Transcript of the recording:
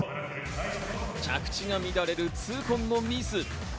着地が乱れる痛恨のミス。